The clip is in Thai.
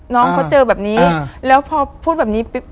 น้องเขาเจอแบบนี้แล้วพอพูดแบบนี้ปุ๊บ